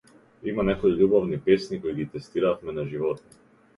Има некои љубовни песни кои ги тестиравме на животни.